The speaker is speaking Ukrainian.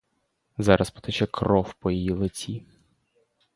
Зараз потече кров по її лиці.